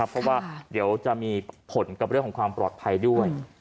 เพราะว่าเดี๋ยวจะมีผลกับเรื่องของความปลอดภัยด้วย